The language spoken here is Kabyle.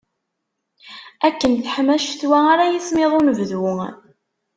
Akken teḥma ccetwa ara yismiḍ unebdu.